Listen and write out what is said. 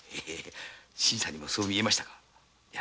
新さんもそう思いましたか。